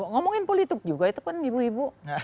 ngomongin politik juga itu kan ibu ibu